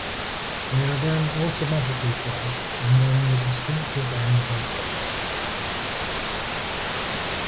They are then automatically sliced and then the distinctive ends are folded.